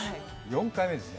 ４回目ですね。